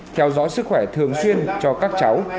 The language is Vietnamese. theo dõi sức khỏe thường xuyên cho các cháu